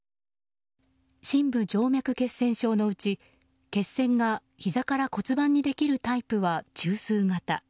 深部静脈血栓症のうち、血栓がひざから骨盤にできるタイプは中枢型。